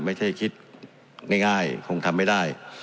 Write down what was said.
ไม่ใช่คิดง่ายคงทำไม่ได้